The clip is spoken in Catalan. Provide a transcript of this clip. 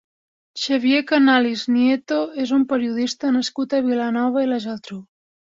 Xavier Canalis Nieto és un periodista nascut a Vilanova i la Geltrú.